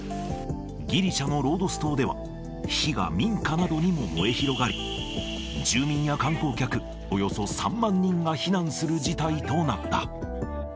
ギリシャのロードス島では、火が民家などにも燃え広がり、住民や観光客およそ３万人が避難する事態となった。